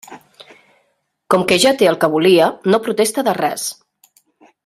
Com que ja té el que volia, no protesta de res.